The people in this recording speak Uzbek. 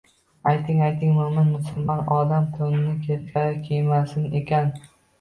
Ayting-ayting, mo‘min-musulmon odam to‘nini teskari kiymasin ekan…